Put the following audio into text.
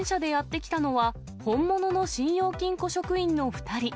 自転車でやって来たのは、本物の信用金庫職員の２人。